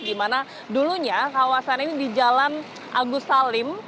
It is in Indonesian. di mana dulunya kawasan ini di jalan agus salim